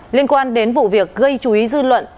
liên quan đến vụ việc gây chú ý dư luận